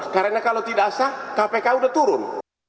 karena kalau tidak sah kpk sudah turun